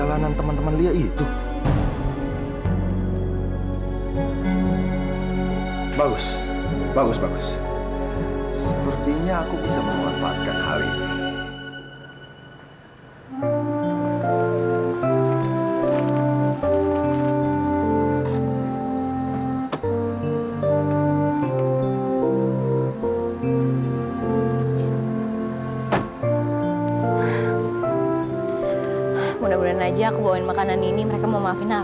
lu belum cukup puas ngebakar rumah ini